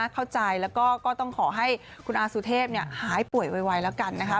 เข้าใจแล้วก็ต้องขอให้คุณอาสุเทพหายป่วยไวแล้วกันนะคะ